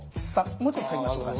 もうちょっと下げましょうか脚。